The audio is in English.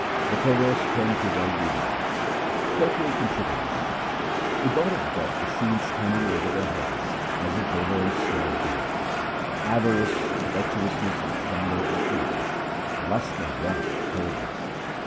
The perverse turn to worldly love ; carefully consider this. The god of death is seen standing over their heads as if they were ensnared deer. Avarice, covetousness, and slander are evil ; lust and wrath terrible.